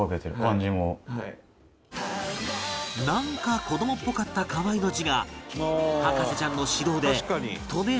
なんか子どもっぽかった河合の字が博士ちゃんの指導で「とめ」